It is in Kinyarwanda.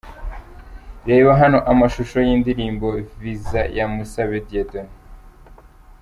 Reba hano amashusho y'indirimbo 'Visa' ya Musabe Dieudonne.